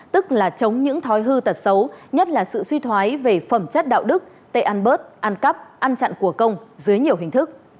tức là chống những thói hư tật xấu nhất là sự suy thoái về phẩm chất đạo đức tệ ăn bớt ăn cắp ăn chặn của công dưới nhiều hình thức